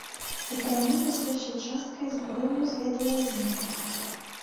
У параўнанні з першай часткай, зброю зведала змены.